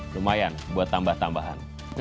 lumayan buat tambah tambahan